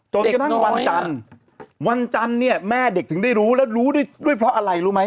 จนกระทั่งวันจันทร์วันจันทร์เนี่ยแม่เด็กถึงได้รู้แล้วรู้ด้วยเพราะอะไรรู้ไหม